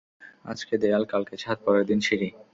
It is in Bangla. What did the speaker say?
আজকে দেয়াল, কালকে ছাদ, পরের দিন সিঁড়ি।